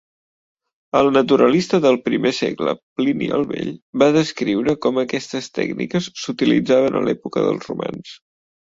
El naturalista del primer segle Plini el Vell va descriure com aquestes tècniques s'utilitzaven a l'època dels romans.